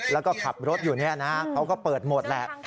แล้วก็ขับรถอยู่เขาก็เปิดหมดแล้ว